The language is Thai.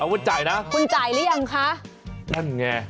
ว่าจ่ายนะคุณจ่ายหรือยังคะนั่นไง